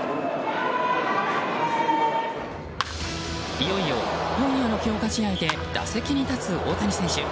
いよいよ今夜の強化試合で打席に立つ大谷選手。